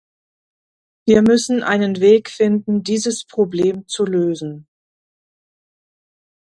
Wir müssen einen Weg finden, dieses Problem zu lösen.